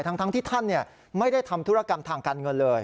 ทั้งที่ท่านไม่ได้ทำธุรกรรมทางการเงินเลย